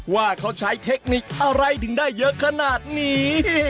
ว่าเขาใช้เทคนิคอะไรถึงได้เยอะขนาดนี้